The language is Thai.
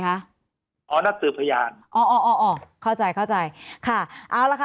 ห้ะนักสืบพยานอ้ออออเข้าใจเข้าใจค่ะเอาแล้วค่ะ